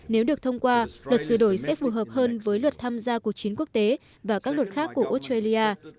nếu được thông qua luật sửa đổi sẽ phù hợp hơn với lực lượng quốc phòng nước này